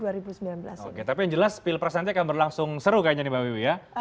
oke tapi yang jelas pilpres nanti akan berlangsung seru kayaknya nih mbak wiwi ya